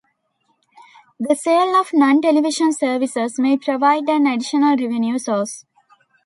The sale of non-television services may provide an additional revenue source.